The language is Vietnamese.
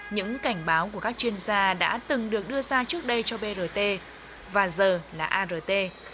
những cảnh báo của các chuyên gia đã từng được đưa ra trước đây cho brt và giờ là art